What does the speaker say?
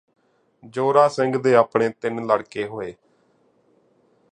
ਜੋਰਾ ਸਿੰਘ ਦੇ ਆਪਣੇ ਤਿੰਨ ਲੜਕੇ ਹੋਏ